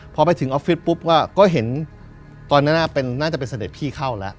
พอไปถึงออฟฟิศปุ๊บก็เห็นตอนนั้นน่าจะเป็นเสด็จพี่เข้าแล้ว